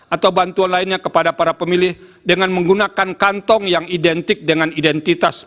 atau bantuan lainnya kepada para pemilih dengan menggunakan kantong yang identik dengan identitas